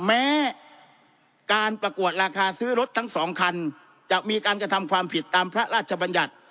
แม้การประกวดราคาซื้อรถทั้งสองคันจะมีการกระทำความผิดตามพระราชบัญญัติ